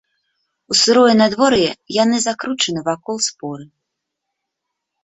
У сырое надвор'е яны закручаны вакол споры.